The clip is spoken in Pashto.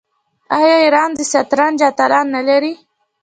آیا ایران د شطرنج اتلان نلري؟